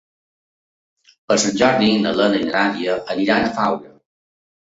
Per Sant Jordi na Lena i na Nàdia iran a Faura.